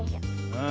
うん。